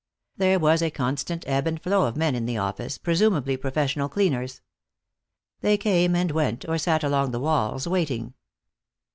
There was a constant ebb and flow of men in the office, presumably professional cleaners. They came and went, or sat along the walls, waiting.